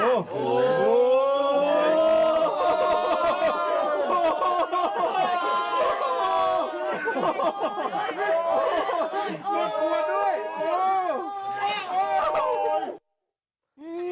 ควรด้วย